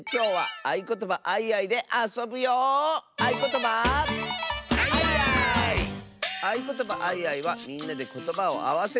「あいことばあいあい」はみんなでことばをあわせるあそび！